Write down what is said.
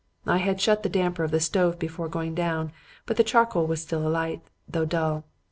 I had shut the damper of the stove before going down, but the charcoal was still alight, though dull.